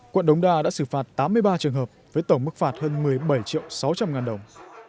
quận đống đa đã xử phạt tám mươi ba trường hợp với tổng mức phạt hơn một mươi bảy triệu sáu trăm linh ngàn đồng